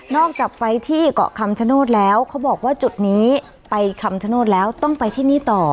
จากไปที่เกาะคำชโนธแล้วเขาบอกว่าจุดนี้ไปคำชโนธแล้วต้องไปที่นี่ต่อ